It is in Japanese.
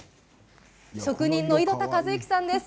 職人の井戸田和之さんです。